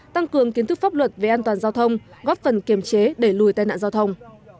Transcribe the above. tăng cường kiến thức pháp luật về an toàn giao thông góp phần kiềm chế đẩy lùi tai nạn giao thông